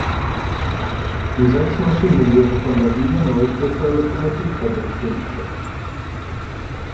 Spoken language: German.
Die sechs Maschinen wurden von der Wiener Neustädter Lokomotivfabrik geliefert.